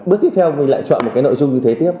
bước tiếp theo mình lại chọn một cái nội dung như thế tiếp